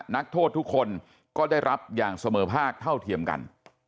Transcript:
นักโทษทุกคนก็ได้รับอย่างเสมอภาคเท่าเทียมกัน